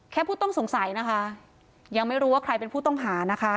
ผู้ต้องสงสัยนะคะยังไม่รู้ว่าใครเป็นผู้ต้องหานะคะ